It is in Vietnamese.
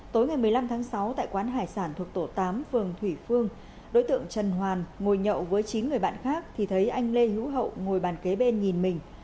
tối ngày một mươi năm tháng sáu tại quán hải sản thuộc tổ tám phường thủy phương đối tượng trần hoàn ngồi nhậu với chín người bạn khác thì thấy anh lê hữu hậu ngồi bàn kế bên nhìn mình